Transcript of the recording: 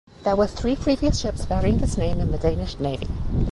There were three previous ships bearing this name in the Danish navy.